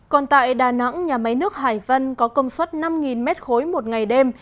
còn tại đà nẵng nhà máy nước hải vân có công suất năm m ba một ngày đêm